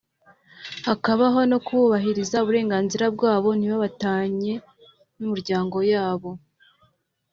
hakabaho no kubahiriza uburenganzira bwabo ntibatanywe n’imiryango yabo